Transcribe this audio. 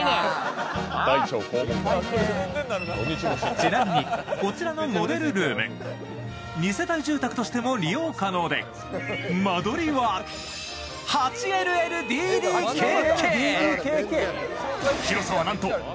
ちなみにこちらのモデルルーム２世帯住宅としても利用可能で間取りは８ＬＬＤＤＫＫ。